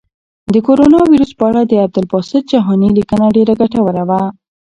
د کرونا وېروس په اړه د عبدالباسط جهاني لیکنه ډېره ګټوره وه.